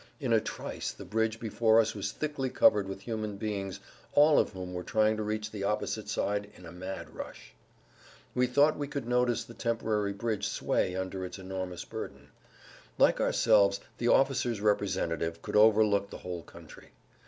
In a trice the bridge before us was thickly covered with human beings all of whom were trying to reach the opposite side in a mad rush. We thought we could notice the temporary bridge sway under its enormous burden. Like ourselves the officer's representative could overlook the whole country.